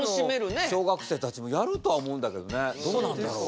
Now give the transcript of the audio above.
今の小学生たちもやるとは思うんだけどねどうなんだろう？